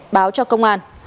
báo cho công an